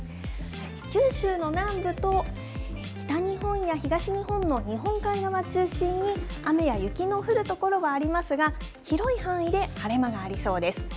九州の南部と北日本や東日本の日本海側中心に、雨や雪の降る所がありますが、広い範囲で晴れ間がありそうです。